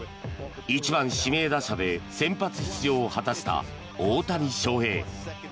１番指名打者で先発出場を果たした大谷翔平。